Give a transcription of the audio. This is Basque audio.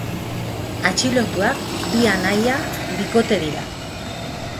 Atxilotuak bi anaia bikote dira.